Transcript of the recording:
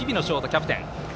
キャプテン。